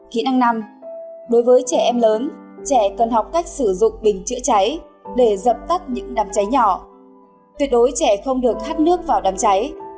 kỹ năng năm đối với trẻ em lớn trẻ cần học cách sử dụng bình chữa cháy để dập tắt bình chữa cháy